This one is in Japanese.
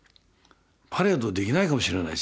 パレードできないかもしれないし。